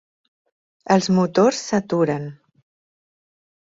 Els motors s'aturen.